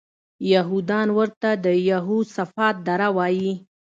یهودان ورته د یهوسفات دره وایي.